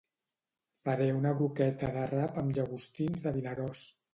Faré una broqueta de rap amb llagostins de Vinaròs